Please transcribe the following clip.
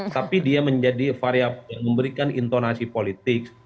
tapi dia menjadi varia yang memberikan intonasi politik